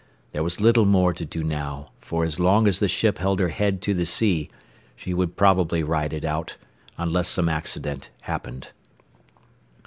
There was little more to do now, for as long as the ship held her head to the sea, she would probably ride it out, unless some accident happened.